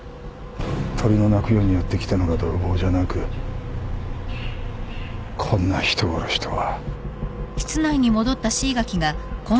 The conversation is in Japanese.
鳥の鳴く夜にやって来たのが泥棒じゃなくこんな人殺しとは。